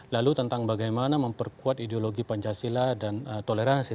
lalu tentang bagaimana memperkuat ideologi pancasila dan toleransi